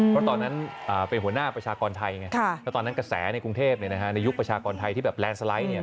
เพราะตอนนั้นเป็นหัวหน้าประชากรไทยไงแล้วตอนนั้นกระแสในกรุงเทพในยุคประชากรไทยที่แบบแลนด์สไลด์เนี่ย